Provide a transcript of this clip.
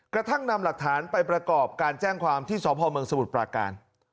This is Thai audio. กระทั่งนำหลักฐานไปประกอบการแจ้งความที่สพเมืองสมุทรปราการ